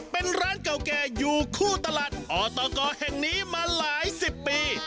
เป็นร้านเก่าแก่อยู่คู่ตลาดอตกแห่งนี้มาหลายสิบปี